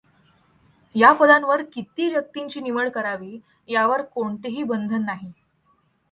या पदांवर किती व्यक्तींची निवड करावी यावर कोणतेही बंधन नाही.